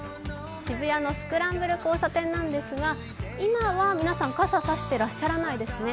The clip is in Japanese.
渋谷のスクランブル交差点なんですが今は皆さん、傘差してらっしゃらないですね。